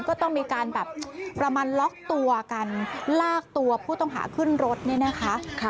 ก็ต้องมีการแบบประมาณล็อกตัวกันลากตัวผู้ต้องหาขึ้นรถเนี่ยนะคะ